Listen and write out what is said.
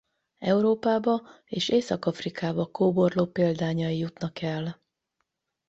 Európába és Észak-Afrikába kóborló példányai jutnak el.